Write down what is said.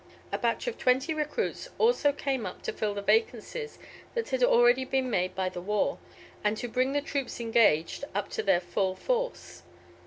A batch of twenty recruits also came up to fill the vacancies that had already been made by the war, and to bring the troops engaged up to their full force.